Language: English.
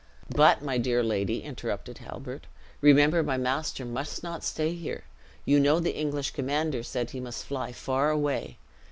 "But my dear lady," interrupted Halbert, "remember my master must not stay here. You know the English commander said he must fly far away.